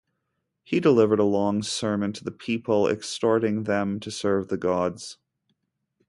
He delivered a long sermon to the people, exhorting them to serve the gods.